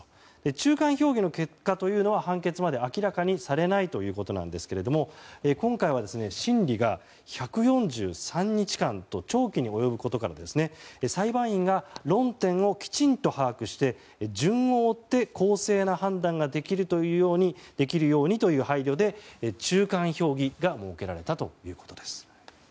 中間評議の結果というのは判決まで明らかにされないということですが今回は審理が１４３日間と長期に及ぶことから裁判員が論点をきちんと把握して順を追って公正な判断ができるようにという配慮で中間評議が設けられたということです。